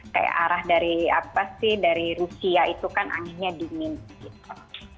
kayak arah dari apa sih dari rusia itu kan anginnya dingin gitu